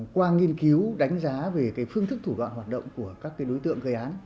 qua nghiên cứu đánh giá về phương thức thủ đoạn hoạt động của các đối tượng gây án